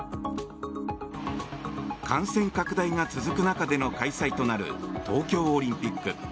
感染拡大が続く中での開催となる東京オリンピック。